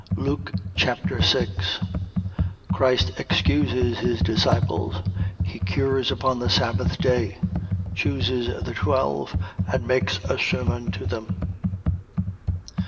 Luke Chapter 6 Christ excuses his disciples. He cures upon the sabbath day, chooses the twelve and makes a sermon to them.